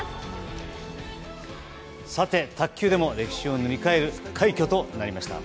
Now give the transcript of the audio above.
さて、卓球でも歴史を塗り替える快挙となりました。